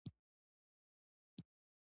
ایا مېلمانه راغلي دي؟